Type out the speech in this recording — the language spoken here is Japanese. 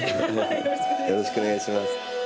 よろしくお願いします。